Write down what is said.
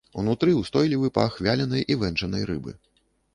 Унутры ўстойлівы пах вяленай і вэнджанай рыбы.